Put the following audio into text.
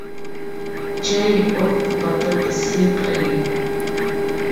Chay urqu patata siqay.